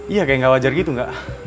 iya kayak gak wajar gitu nggak